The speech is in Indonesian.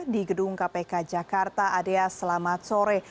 di gedung kpk jakarta adea selamat sore